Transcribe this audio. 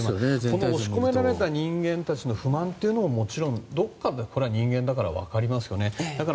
この押し込められた人間たちの不満というのももちろん人間だから分かりますよね。